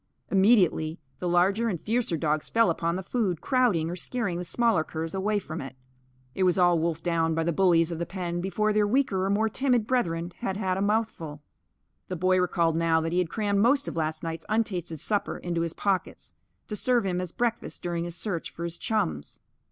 Immediately the larger and fiercer dogs fell upon the food, crowding or scaring the smaller curs away from it. It was all wolfed down by the bullies of the pen before their weaker or more timid brethren had had a mouthful. The boy recalled now that he had crammed most of last night's untasted supper into his pockets, to serve him as breakfast during his search for his chums.